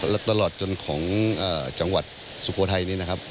และตลอดจนของจังหวัดสุโครไทย